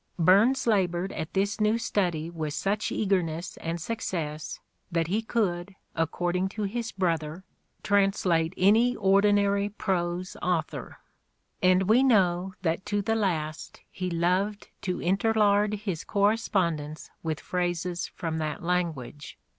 .. Burns laboured at this new study with such eagerness and success that he could, according to his brother, translate any ordinary prose author ; and we know that to the last he loved to interlard his correspondence with phrases from that language.